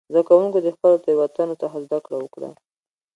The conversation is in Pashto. زده کوونکو د خپلو تېروتنو څخه زده کړه وکړه.